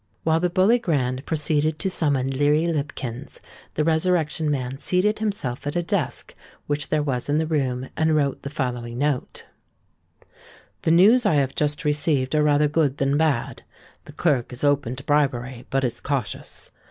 While the Bully Grand proceeded to summon Leary Lipkins, the Resurrection Man seated himself at a desk which there was in the room, and wrote the following note:— "The news I have just received are rather good than bad. The clerk is open to bribery, but is cautious.